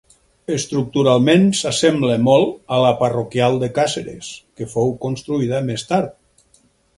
Estructuralment s'assembla molt a la parroquial de Caseres, que fou construïda més tard.